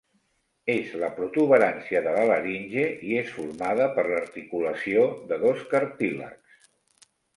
És la protuberància de la laringe i és formada per l'articulació de dos cartílags.